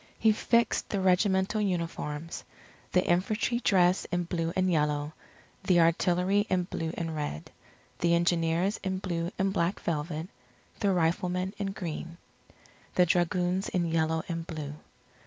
He fixed the regimental uniforms; the infantry dress in blue and yellow, the artillery in blue and red; the engineers in blue and black velvet; the riflemen in green; the dragoons in yellow and blue.